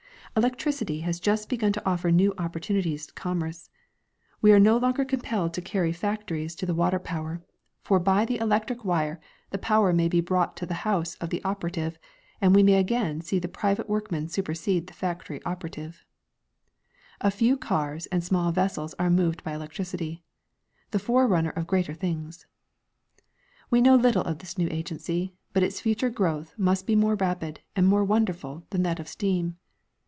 Electricity has just begun to offer new opportunities to com merce. We are no longer compelled to carry our factories to the 3— Nat. Geog. Mag., vol. IV, 1892. 18 G. G. Hubbard — The Evolution of Commerce. water power, for by the electric wire the power may be brought to the house of the operative, and we may again see the private workman supersede the factory operative. A few cars and small vessels are moved by electricity — the forerunner of greater things. We know little of this new agency, but its future growth must be more rapid and more wonderful than that of steam.